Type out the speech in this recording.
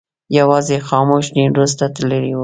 یوازې خاموش نیمروز ته تللی و.